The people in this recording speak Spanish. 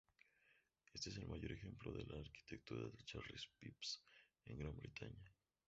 Éste es el mayor ejemplo de la arquitectura de Charles Phipps en Gran Bretaña.